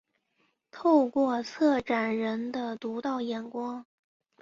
透过策展人的独到眼光